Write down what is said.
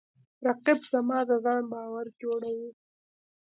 رقیب زما د ځان باور جوړوي